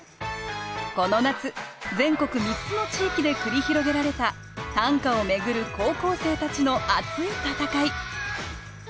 この夏全国３つの地域で繰り広げられた短歌を巡る高校生たちの熱い戦い。